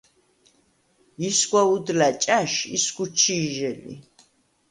ისგვა უდლა̈ ჭა̈შ ისგუ ჩი̄ჟე ლი.